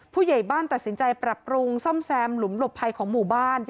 ผู้ใหญ่บ้านตัดสินใจปรับปรุงซ่อมแซมหลุมหลบภัยของหมู่บ้าน